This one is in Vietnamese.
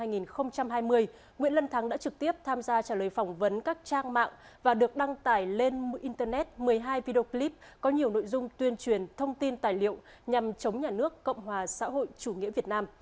nguyễn lân thắng đã trực tiếp tham gia trả lời phỏng vấn các trang mạng và được đăng tải lên internet một mươi hai video clip có nhiều nội dung tuyên truyền thông tin tài liệu nhằm chống nhà nước cộng hòa xã hội chủ nghĩa việt nam